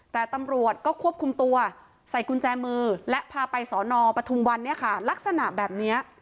แต่ตำรวจก็ควบคุมตัวใส่กุญแจมือและพาไปสอนอปทุมวันเนี่ยค่ะลักษณะแบบนี้